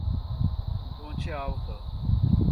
Ponte Alta